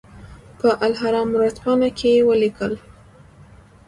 په الاهرام ورځپاڼه کې ولیکل.